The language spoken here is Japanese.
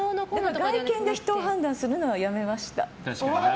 外見で人を判断するのはやめました。